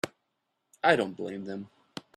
I don't blame them.